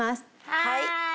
はい。